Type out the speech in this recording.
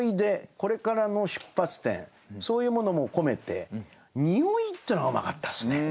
これからの出発点そういうものも込めて「匂い」っていうのがうまかったですね。